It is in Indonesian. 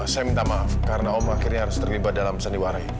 saya minta maaf karena om akhirnya harus terlibat dalam seni warai